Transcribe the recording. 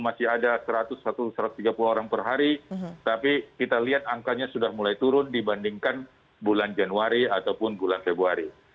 masih ada seratus satu ratus tiga puluh orang per hari tapi kita lihat angkanya sudah mulai turun dibandingkan bulan januari ataupun bulan februari